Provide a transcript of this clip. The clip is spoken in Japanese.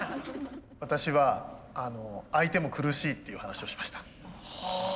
私は相手も苦しいっていう話をしました。